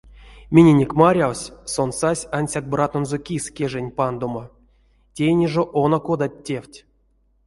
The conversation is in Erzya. Миненек марявсь, сон сась ансяк братонзо кис кежень пандомо, тейни жо оно кодат тевть.